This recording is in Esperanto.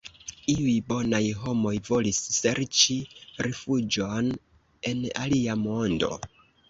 Iuj bonaj homoj volis serĉi rifuĝon en alia mondo.